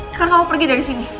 sekarang kamu pergi dari sini